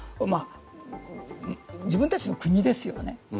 自分たちの国ですよね。